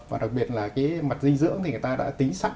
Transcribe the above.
và đặc biệt là cái mặt dinh dưỡng thì người ta đã tính sắc